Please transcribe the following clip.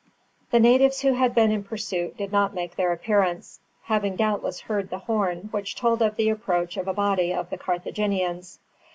The natives who had been in pursuit did not make their appearance, having doubtless heard the horn which told of the approach of a body of the Carthaginians.